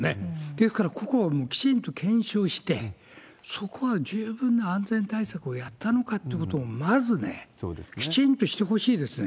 ですから、ここをきちんと検証して、そこは十分な安全対策をやったのかということを、まずね、きちんとしてほしいですね。